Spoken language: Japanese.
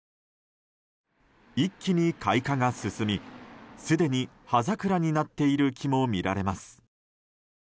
一気に開花が進み、すでに葉桜になっている木も見られます。